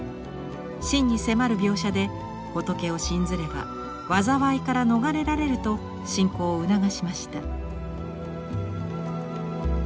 真に迫る描写で仏を信ずれば災いから逃れられると信仰を促しました。